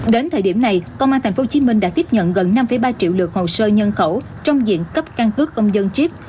đến thời điểm này công an tp hcm đã tiếp nhận gần năm ba triệu lượt hồ sơ nhân khẩu trong diện cấp căn cước công dân chip